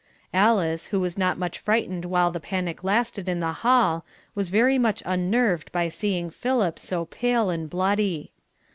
Alice who was not much frightened while the panic lasted in the hall, was very much unnerved by seeing Philip so pale and bloody.